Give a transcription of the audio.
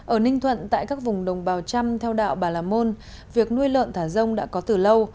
ở ninh thuận tại các vùng đồng bào trăm theo đạo bà là môn việc nuôi lợn thả rông đã có từ lâu